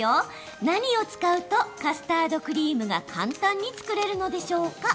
何を使うとカスタードクリームが簡単に作れるのでしょうか？